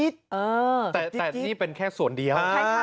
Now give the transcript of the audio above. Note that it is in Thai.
แต่นี่แค่เป็นส่วนเดียว